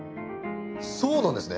そうなんですね。